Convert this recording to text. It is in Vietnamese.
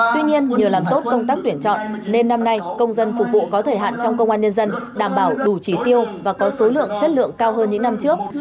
tuy nhiên nhờ làm tốt công tác tuyển chọn nên năm nay công dân phục vụ có thời hạn trong công an nhân dân đảm bảo đủ trí tiêu và có số lượng chất lượng cao hơn những năm trước